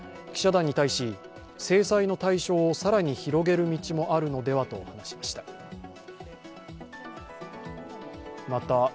記者団に対し、制裁の対象を更に広げる道もあるのではと話しました。